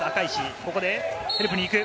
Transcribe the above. ここでヘルプに行く。